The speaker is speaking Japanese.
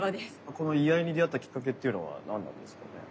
この居合に出会ったきっかけっていうのは何なんですかね？